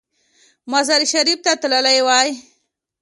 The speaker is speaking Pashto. مزار شریف ته تللی وای.